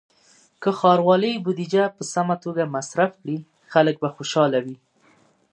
که ښاروالۍ بودیجه په سمه توګه مصرف کړي، خلک به خوشحاله وي.